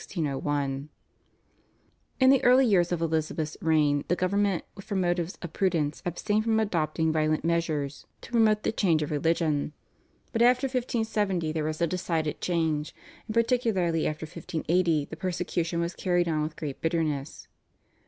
In the early years of Elizabeth's reign the government from motives of prudence abstained from adopting violent measures to promote the change of religion. But after 1570 there was a decided change, and particularly after 1580 the persecution was carried on with great bitterness.